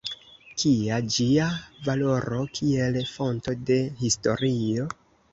Kia ĝia valoro kiel fonto de historio?